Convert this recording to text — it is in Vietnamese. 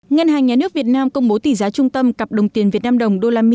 ngân hàng nhà nước việt nam công bố tỷ giá trung tâm cặp đồng tiền việt nam đồng usd